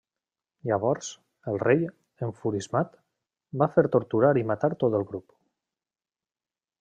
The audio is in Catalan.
Llavors, el rei, enfurismat, va fer torturar i matar tot el grup.